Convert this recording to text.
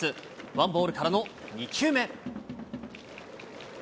ワンボールからの２球目。